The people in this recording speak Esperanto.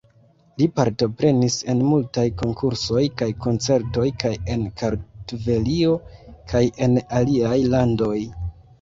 Li partoprenis en multaj konkursoj kaj koncertoj kaj en Kartvelio kaj en aliaj landoj.